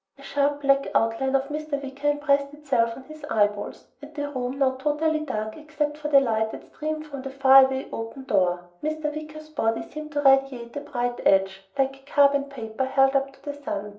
The sharp black outline of Mr. Wicker impressed itself on his eyeballs, and in the room, now totally dark except for the light that streamed from the faraway open door, Mr. Wicker's body seemed to radiate a bright edge, like a carbon paper held up to the sun.